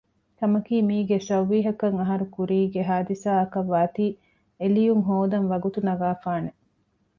ކަމަކީ މީގެ ސައުވީހަކަށް އަހަރުކުރީގެ ހާދިސާއަކަށް ވާތީ އެލިޔުން ހޯދަން ވަގުތު ނަގާފާނެ